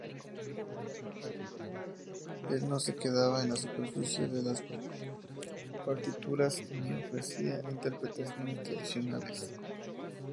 Él no se quedaba en la superficie de las partituras, ni ofrecía interpretaciones tradicionales.